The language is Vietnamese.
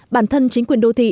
bản thân chính quyền đô thị